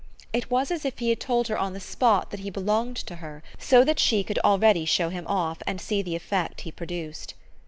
It was as if he had told her on the spot that he belonged to her, so that she could already show him off and see the effect he produced.